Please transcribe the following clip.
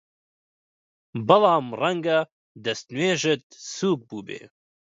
بەڵام ڕەنگە دەستنوێژت سووک بووبێ!